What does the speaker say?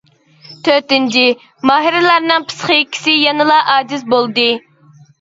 تۆتىنچى، ماھىرلارنىڭ پىسخىكىسى يەنىلا ئاجىز بولدى.